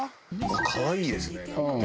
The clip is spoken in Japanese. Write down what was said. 可愛いですねなんかね。